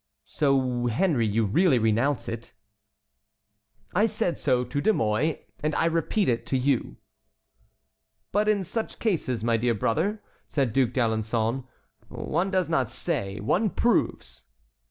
"So, Henry, you really renounce it?" "I said so to De Mouy and I repeat it to you." "But in such cases, my dear brother," said D'Alençon, "one does not say, one proves."